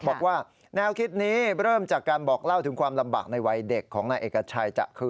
บอกว่าแนวคิดนี้เริ่มจากการบอกเล่าถึงความลำบากในวัยเด็กของนายเอกชัยจะคือ